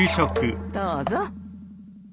どうぞ。